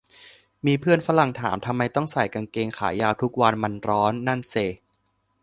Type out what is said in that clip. มีเพื่อนฝรั่งถาม ทำไมต้องใส่กางเกงขายาวทุกวัน มันร้อน นั่นเซะ